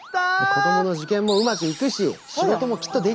子どもの受験もうまくいくし仕事もきっとできるから！